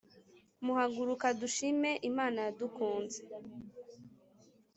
muhaguruka dushime imana yadukunze